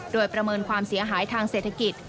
โดยประเมินความเสียหายทางเศรษฐกิจ